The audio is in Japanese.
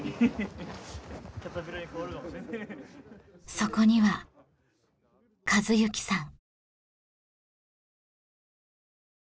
そこには一幸さん。